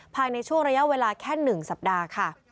ภายในช่วงระยะเวลาแค่๑สัปดาห์ค่ะ